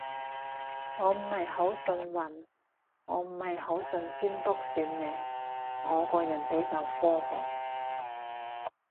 我唔係好信運，我唔係好信占卜算命，我個人比較科學